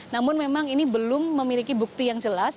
namun memang ini belum memiliki bukti yang jelas